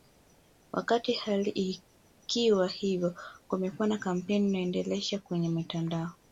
Wakati hali ikiwa hivyo kumekuwa na kampeni inayoendeshwa kwenye mitandao